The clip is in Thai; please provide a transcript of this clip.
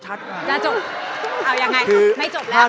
จะจบเอายังไงครับไม่จบแล้ว